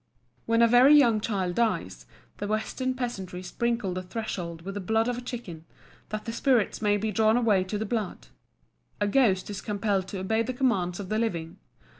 When a very young child dies, the western peasantry sprinkle the threshold with the blood of a chicken, that the spirits may be drawn away to the blood. A Ghost is compelled to obey the commands of the living.